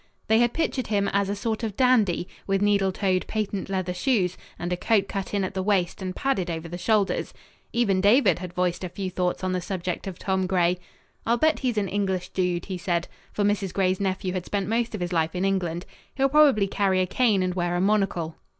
They had pictured him as a sort of dandy, with needle toed patent leather shoes and a coat cut in at the waist and padded over the shoulders. Even David had voiced a few thoughts on the subject of Tom Gray. "I'll bet he's an English dude," he said. For Mrs. Gray's nephew had spent most of his life in England. "He'll probably carry a cane and wear a monocle."